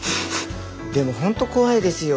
でもホント怖いですよ。